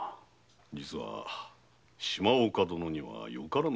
実は島岡殿にはよからぬ評判が。